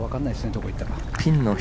どこに行ったか。